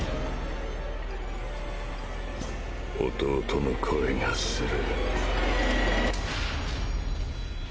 弟の声がする。